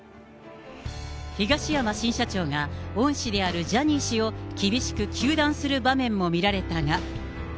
東山新社長が、恩師であるジャニー氏を厳しく糾弾する場面も見られたが。